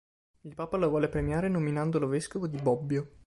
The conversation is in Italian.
Il papa lo volle premiare nominandolo vescovo di Bobbio.